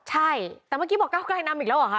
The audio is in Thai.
ใช่แต่เมื่อกี้บอกเก้าไกลนำอีกแล้วเหรอคะ